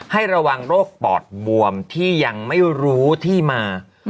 ให้ระวังโรคปอดบวมที่ยังไม่รู้ที่มา